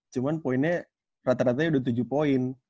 cuma poinnya rata ratanya udah tujuh poin